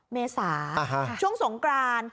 เมษาช่วงสงกราน